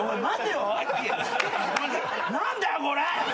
何だよこれ！